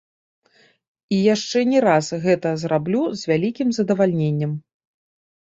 І яшчэ не раз гэта зраблю з вялікім задавальненнем.